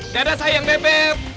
dadah sayang bebe